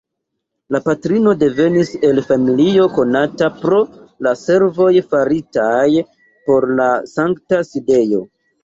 Lia patrino devenis el familio konata pro la servoj faritaj por la Sankta Sidejo.